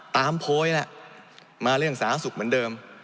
โพยล่ะมาเรื่องสาธารณสุขเหมือนเดิม